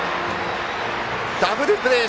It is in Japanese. ダブルプレー！